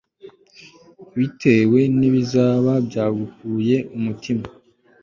ubitewe n'ibizaba byagukuye umutima